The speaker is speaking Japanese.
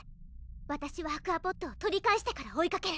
わたしはアクアポットを取り返してから追いかける！